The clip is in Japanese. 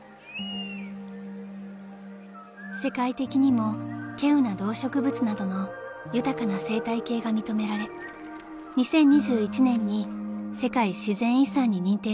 ［世界的にも希有な動植物などの豊かな生態系が認められ２０２１年に世界自然遺産に認定されました］